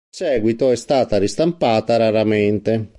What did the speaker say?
In seguito è stata ristampata raramente.